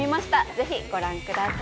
ぜひご覧ください！